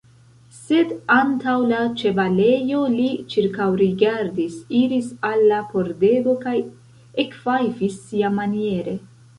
Sed antaŭ la ĉevalejo li ĉirkaŭrigardis, iris al la pordego kaj ekfajfis siamaniere.